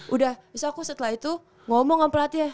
udah setelah itu ngomong sama pelatih ya